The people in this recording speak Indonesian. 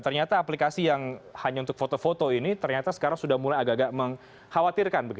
ternyata aplikasi yang hanya untuk foto foto ini ternyata sekarang sudah mulai agak agak mengkhawatirkan